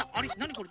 これ。